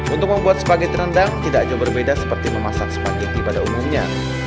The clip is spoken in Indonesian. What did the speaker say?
untuk membuat spageti rendang tidak jauh berbeda seperti memasak spaghetti pada umumnya